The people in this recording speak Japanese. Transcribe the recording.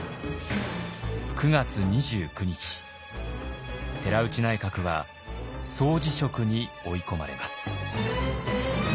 ９月２９日寺内内閣は総辞職に追い込まれます。